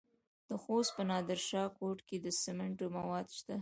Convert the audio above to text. د خوست په نادر شاه کوټ کې د سمنټو مواد شته.